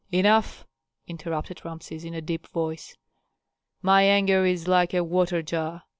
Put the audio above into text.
"Enough!" interrupted Rameses, in a deep voice. "My anger is like a water jar.